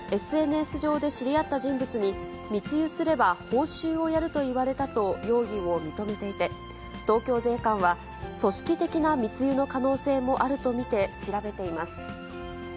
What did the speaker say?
ＳＮＳ上で知り合った人物に、密輸すれば報酬をやると言われたと容疑を認めていて、東京税関は、組織的な密輸の可能性もあると見て調べています。